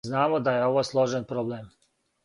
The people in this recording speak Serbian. Знамо да је ово сложен проблем.